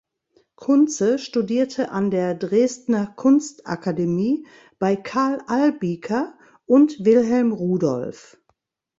Kunze studierte an der Dresdner Kunstakademie bei Karl Albiker und Wilhelm Rudolph.